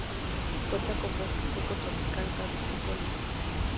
Cuenta con bosque seco tropical, caducifolio.